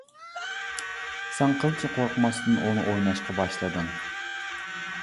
سەن قىلچە قورقماستىن ئۇنى ئويناشقا باشلىدىڭ.